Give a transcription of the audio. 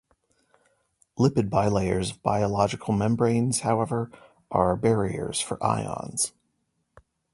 Lipid bilayers of biological membranes, however, are barriers for ions.